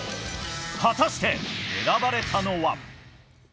果たして、選ばれたのは。